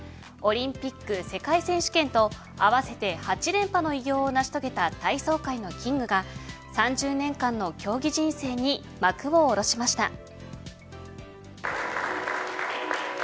オリンピック、世界選手権と合わせて８連覇の偉業を成し遂げた体操界のキングが３０年間の競技人生に幕を下ろしました。